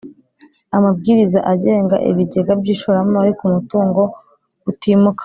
Amabwiriza agenga ibigega by ishoramari mu mutungo utimukanwa